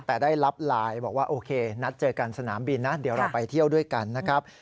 แต่ได้รับไลน์บอกว่าโอเคนัดเจอกันสนามบินนะเดี๋ยวเราไปเที่ยวด้วยกันนะครับ